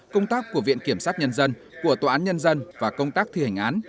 công tác của viện kiểm sát nhân dân của tòa án nhân dân và công tác thi hành án